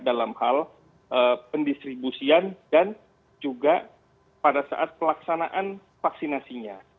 dalam hal pendistribusian dan juga pada saat pelaksanaan vaksinasinya